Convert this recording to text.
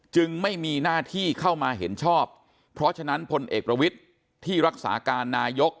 จึงไม่มีหน้าที่เข้ามาเห็นชอบเพราะฉะนั้นพลเอกประวิทย์ที่รักษาการนายก